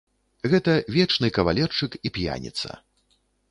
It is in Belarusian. Гэта вечны кавалерчык і п'яніца.